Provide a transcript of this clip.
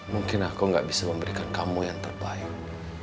mungkin aku gak bisa memberikan kamu yang terbaik